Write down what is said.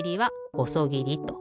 「ほそぎり」と。